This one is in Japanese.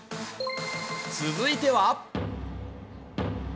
続いては？